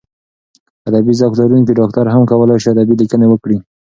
ادبي ذوق لرونکی ډاکټر هم کولای شي ادبي لیکنې وکړي.